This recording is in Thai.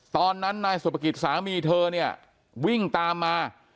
ตอนนั้นนายสุภกิจสามีเธอเนี่ยวิ่งตามมา